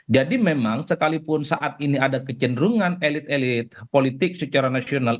jadi memang sekalipun saat ini ada kecenderungan elit elit politik secara nasional